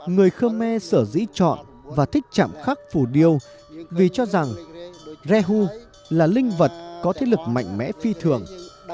người khmer sở dĩ chọn và thích chạm khắc phù điêu vì cho rằng rehu là linh vật có thiết lực mạnh mẽ phi thường